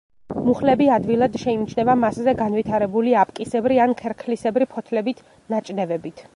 მუხლები ადვილად შეიმჩნევა მასზე განვითარებული აპკისებრი ან ქერქლისებრი ფოთლებით, ნაჭდევებით.